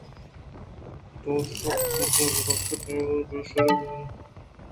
دوشگ ءَ بان ءِ سرا شُت مِہمانی شیرے ءَ گورُم ءَ پزّوریں سانڈے دیست چرگ ءَ اَت